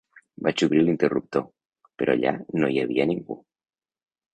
Vaig obrir l'interruptor, però allà no hi havia ningú.